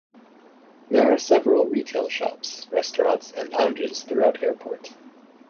There are several retail shops, restaurants and lounges throughout airport.